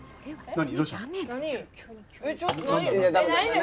何？